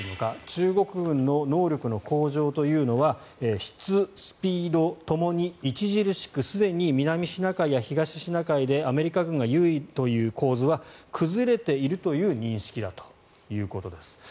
中国軍の能力の向上というのは質、スピードともに著しくすでに南シナ海や東シナ海でアメリカ軍が優位という構図は崩れているという認識だということです。